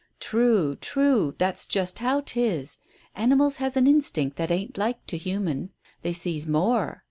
"True true. That's just how 'tis. Animals has an instinct that ain't like to human. They sees more.